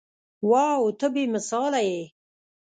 واو ته بې مثاله يې.